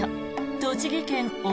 栃木県奥